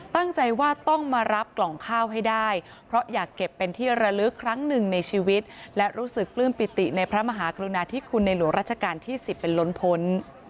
ตั้งใจว่าต้องมารับกล่องข้าวให้ได้เพราะอยากเก็บเป็นที่ระลึกครั้งหนึ่งในชีวิตและรู้สึกปลื้มปิติในพระมหากรุณาธิคุณในหลวงราชการที่๑๐เป็นล้นพ้น